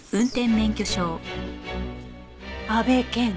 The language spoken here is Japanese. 「阿部健」